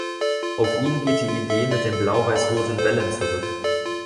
Auf ihn geht die Idee mit den blau-weiß-roten Bällen zurück.